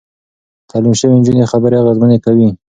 تعليم شوې نجونې خبرې اغېزمنې کوي.